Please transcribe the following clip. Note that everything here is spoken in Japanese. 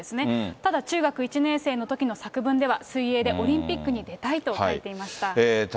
ただ、中学１年生のときの作文では、水泳でオリンピックに出たいと書いていました。